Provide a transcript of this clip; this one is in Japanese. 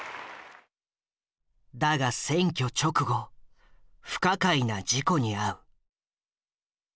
だが選挙直後不可解な事故に遭う。